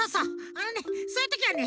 あのねそういうときはね